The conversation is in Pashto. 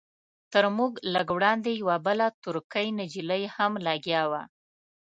تر موږ لږ وړاندې یوه بله ترکۍ نجلۍ هم لګیا وه.